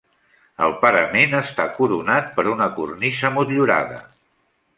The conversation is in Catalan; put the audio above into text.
El parament està coronat per una cornisa motllurada.